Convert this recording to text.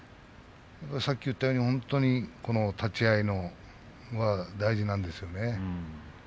さっき言ったように、立ち合いが大事なんですよね。